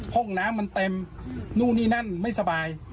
ห้องน้ำมันเต็มนู่นนี่นั่นไม่สบาย